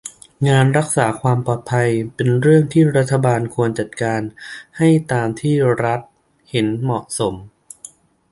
งานรักษาความปลอดภัย เป็นเรื่องที่รัฐบาลควรจัดการให้ตามที่รัฐบาลห็นเหมาะสม